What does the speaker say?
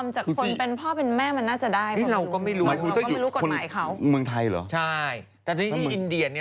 จากคนเป็นพ่อเป็นแม่มันน่าจะได้ไหม